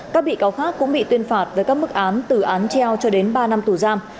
các bị cáo khác cũng bị tuyên phạt với các mức án từ án treo cho đến ba năm tù giam